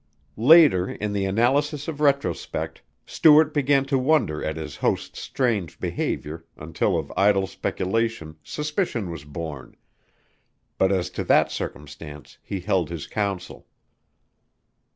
Later in the analysis of retrospect Stuart began to wonder at his host's strange behavior until of idle speculation suspicion was born, but as to that circumstance he held his counsel.